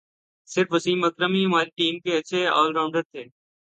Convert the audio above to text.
صرف وسیم اکرم ہی ہماری ٹیم کے اچھے آل راؤنڈر تھے